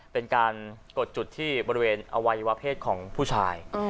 เป็นการกดจุดที่บริเวณอวัยวะเพศของผู้ชาย